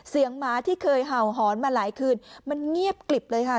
หมาที่เคยเห่าหอนมาหลายคืนมันเงียบกลิบเลยค่ะ